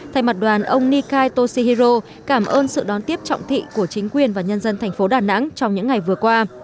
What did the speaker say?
thay mặt đoàn ông nikai toshihiro cảm ơn sự đón tiếp trọng thị của chính quyền và nhân dân thành phố đà nẵng trong những ngày vừa qua